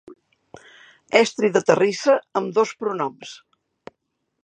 Estri de terrissa amb dos pronoms.